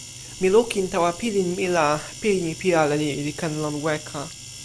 mi lukin tawa pilin mi la, pini pi ale ni li ken lon weka.